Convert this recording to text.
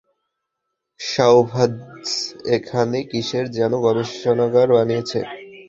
সাওভ্যাজ এখানে কীসের যেন গবেষণাগার বানিয়েছে।